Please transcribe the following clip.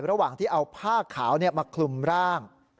ระหว่างที่เอาผ้าขาวมาคลุมร่าง